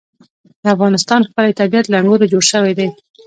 د افغانستان ښکلی طبیعت له انګورو جوړ شوی دی.